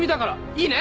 いいね？